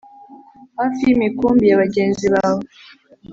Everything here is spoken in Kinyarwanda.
hafi y’imikumbi ya bagenzi bawe.